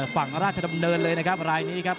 ฝั่งราชดำเนินเลยนะครับรายนี้ครับ